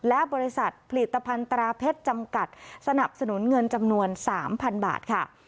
และบริษัทผลิตภัณฑ์ตราเพชรจำกัดสนับสนุนเงินจำนวน๓๐๐๐บาทค่ะ